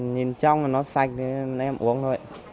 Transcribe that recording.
nhìn trong là nó sạch nên em uống thôi